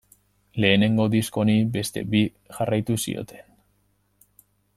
Lehenengo disko honi beste bi jarraitu zioten.